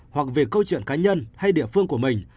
hoặc về câu chuyện cá nhân hay địa phương của mình